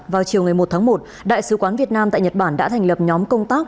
vào chiều ngày một tháng một đại sứ quán việt nam tại nhật bản đã thành lập nhóm công tác